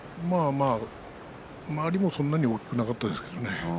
周りもそんなに大きくなかったですけれどもね。